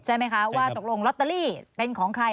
ใช่ไหมคะว่าตกลงลอตเตอรี่เป็นของใคร